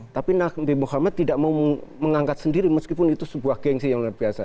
tapi nabi muhammad tidak mau mengangkat sendiri meskipun itu sebuah gengsi yang luar biasa